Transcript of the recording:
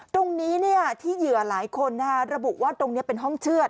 ตรงนี้ที่เหยื่อหลายคนระบุว่าตรงนี้เป็นห้องเชื่อด